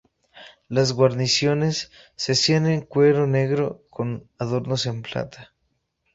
Las guarniciones se hacían en cuero negro con adornos en plata.